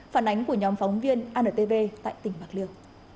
phản ánh của nhóm phóng viên antv tại tỉnh bạc liêu